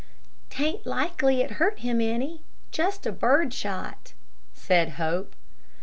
"'T ain't likely it hurt him any just bird shot," said Hope.